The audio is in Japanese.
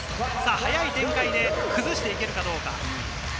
早い展開で崩していけるかどうか。